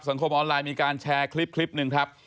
คมออนไลน์มีการแชร์คลิปหนึ่งครับ